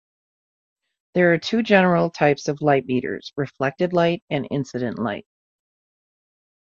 There are two general types of light meters: reflected-light and incident-light.